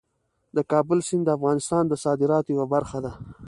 د کابل سیند د افغانستان د صادراتو یوه برخه ده.